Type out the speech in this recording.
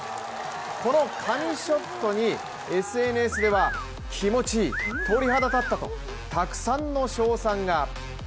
この神ショットにＳＮＳでは気持ちいい、鳥肌立ったとたくさんの称賛が。